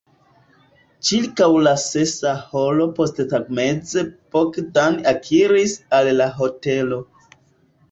Ĉirkaŭ la sesa horo posttagmeze Bogdan ekiris al la hotelo.